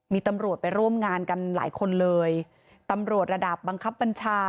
มีตำรวจไปร่วมงานกันหลายคนเลยตำรวจระดับบังคับบัญชา